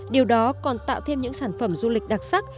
điều đó còn tạo thêm những sản phẩm du lịch đặc sắc